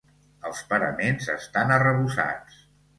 Els paraments estan arrebossats.